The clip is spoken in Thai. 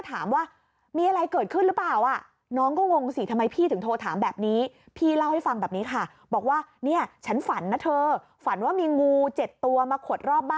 ป้าเกี่ยวบอกว่าโอ๊ยไม่มีหรอก